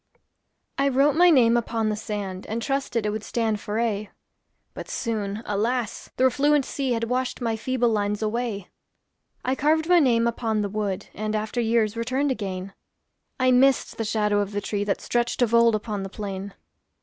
I wrote my name upon the sand, And trusted it would stand for aye; But, soon, alas! the refluent sea Had washed my feeble lines away. I carved my name upon the wood, And, after years, returned again; I missed the shadow of the tree That stretched of old upon the plain.